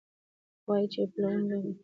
وايي، چې په لرغوني بابل کې